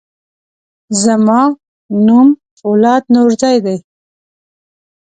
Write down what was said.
زما نوم فولاد نورزی دی.